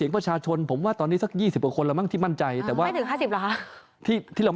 ประชาชนกดดันสอวรไม่ได้เลยเหรอครับ